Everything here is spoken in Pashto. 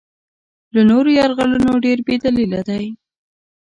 له نورو یرغلونو ډېر بې دلیله دی.